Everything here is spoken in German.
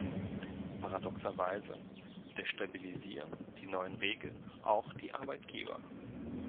Paradoxerweise destabilisieren die neuen Regeln auch die Arbeitgeber.